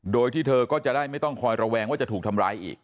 โดยที่เธอก็จะได้ไม่ต้องคอยระแวงว่าจะถูกทำร้ายอีก